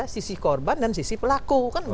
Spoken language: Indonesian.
sisi korban dan sisi pelaku